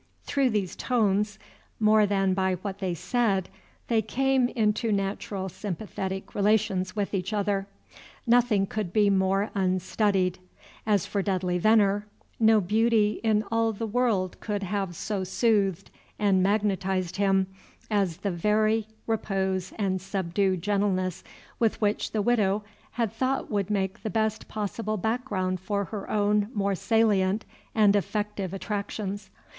Through these tones, more than by what they said, they came into natural sympathetic relations with each other. Nothing could be more unstudied. As for Dudley Venner, no beauty in all the world could have so soothed and magnetized him as the very repose and subdued gentleness which the Widow had thought would make the best possible background for her own more salient and effective attractions.